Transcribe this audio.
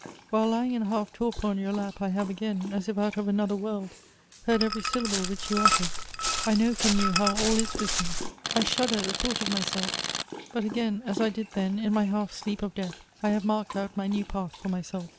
While lying in a half torpor on your lap, I have again, as if out of another world, heard every syllable which you uttered. I know from you how all is with me. I shudder at the thought of myself; but again, as I did then, in my half sleep of death, I have marked out my new path for myself.